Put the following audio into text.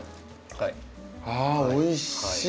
あおいしい。